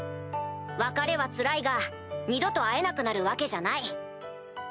別れはつらいが二度と会えなくなるわけじゃない。